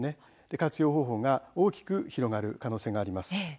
活用方法が大きく広がる可能性があります。